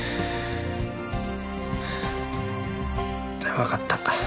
わかった。